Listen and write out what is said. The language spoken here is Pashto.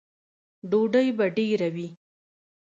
_ډوډۍ به ډېره وي؟